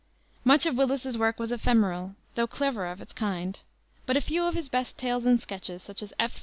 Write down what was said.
Much of Willis's work was ephemeral, though clever of its kind, but a few of his best tales and sketches, such as _F.